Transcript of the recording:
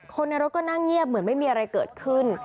คนในรถก็นั่งเงียบเหมือนไม่มีอะไรเกิดขึ้น